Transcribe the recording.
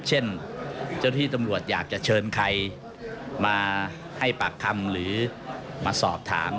เช่นเจ้าที่ตำรวจอยากจะเชิญใครมาให้ปากคำหรือมาสอบถาม